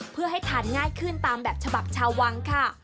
เพื่อให้ทานง่ายขึ้นตามแบบฉบับชาววังค่ะ